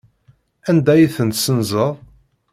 Anda ay tent-tessenzeḍ?